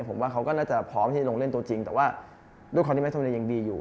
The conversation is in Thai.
ผมว่าเขาก็น่าจะพร้อมที่จะลงเล่นตัวจริงแต่ว่ารุ่นคอนติแม่สมัยยังดีอยู่